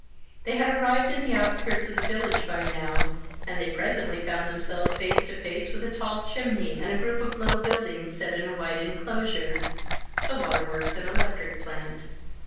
They had arrived in the outskirts of the village by now, and they presently found themselves face to face with a tall chimney and a group of low buildings set in a wide enclosure the water works and electric plant.